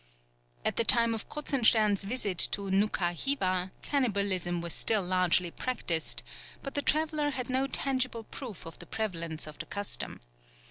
At the time of Kruzenstern's visit to Noukha Hiva, cannibalism was still largely practised, but the traveller had no tangible proof of the prevalence of the custom.